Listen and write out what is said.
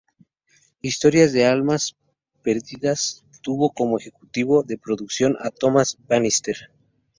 Historias de almas perdidas tuvo como ejecutivo de producción a Thomas Bannister.